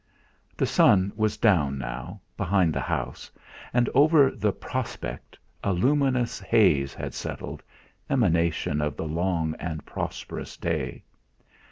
The sun was down now, behind the house, and over the 'prospect' a luminous haze had settled, emanation of the long and prosperous day.